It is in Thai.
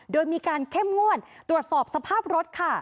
โดยมีการเข้มงวดตรวจสอบสภาพรถค่ะ